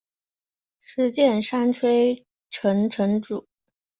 石见山吹城城主。